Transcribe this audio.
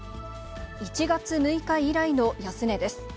１月６日以来の安値です。